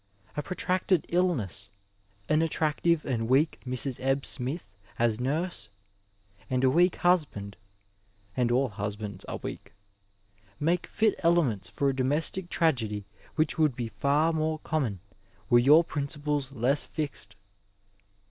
A protracted illness, an attractive and weak Mrs. Ebb Smith as nurse, and a weak husband — and all husbands are weak — ^make fit elements for a domestic tragedy which would be far more common were your principles less fixed.